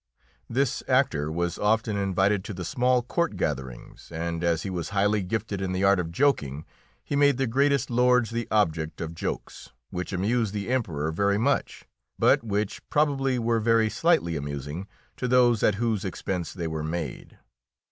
This actor was often invited to the small court gatherings, and as he was highly gifted in the art of joking, he made the greatest lords the object of jokes, which amused the Emperor very much, but which probably were very slightly amusing to those at whose expense they were made.